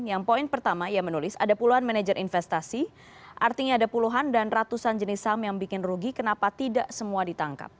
yang poin pertama ia menulis ada puluhan manajer investasi artinya ada puluhan dan ratusan jenis saham yang bikin rugi kenapa tidak semua ditangkap